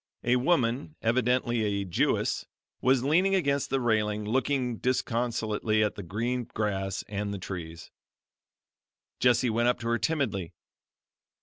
A woman evidently a Jewess, was leaning against the railing, looking disconsolately at the green grass and the trees. Jessie went up to her timidly.